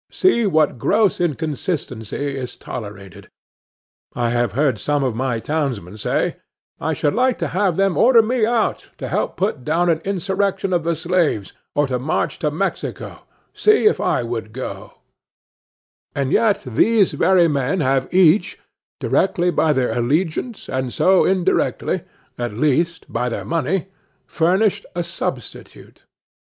See what gross inconsistency is tolerated. I have heard some of my townsmen say, "I should like to have them order me out to help put down an insurrection of the slaves, or to march to Mexico,—see if I would go;" and yet these very men have each, directly by their allegiance, and so indirectly, at least, by their money, furnished a substitute.